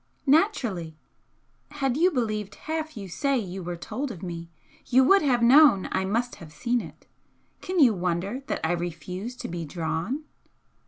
"Naturally! Had you believed half you say you were told of me, you would have known I must have seen it. Can you wonder that I refuse to be 'drawn'?"